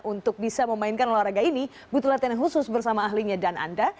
untuk bisa memainkan olahraga ini butuh latihan khusus bersama ahlinya dan anda